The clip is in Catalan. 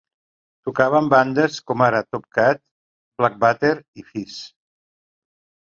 Tocava amb bandes com ara Top Kat, Blackwater, i Fish.